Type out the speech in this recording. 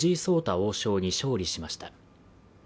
王将に勝利しました